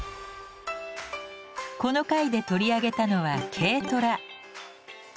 この回で取り上げたのは「軽トラ」。